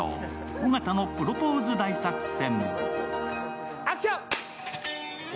「尾形のプロポーズ大作戦！」